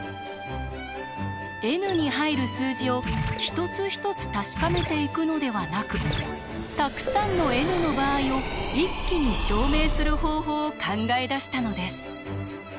ｎに入る数字を一つ一つ確かめていくのではなくたくさんのｎの場合を一気に証明する方法を考え出したのです。